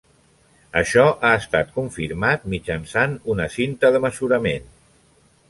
Això ha estat confirmat mitjançant una cinta de mesurament.